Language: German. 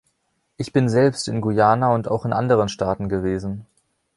Ich bin selbst in Guyana und auch in anderen Staaten gewesen.